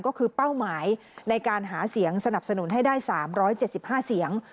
ก็คือเป้าหมายในการหาเสียงสนับสนุนให้ได้๓๗๕เสียง